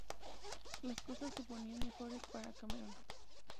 Las cosas se ponían mejores para Cameron.